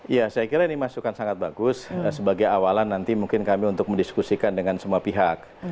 ya saya kira ini masukan sangat bagus sebagai awalan nanti mungkin kami untuk mendiskusikan dengan semua pihak